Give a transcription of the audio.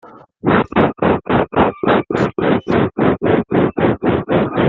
L'acteur Michael Ealy y tient le rôle du prince charmant de Beyoncé.